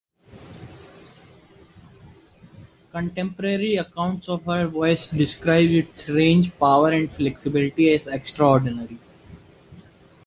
Contemporary accounts of her voice describe its range, power and flexibility as extraordinary.